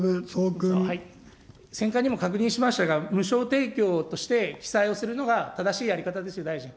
選管にも確認しましたが、無償提供として記載をするのが正しいやり方ですよ、大臣。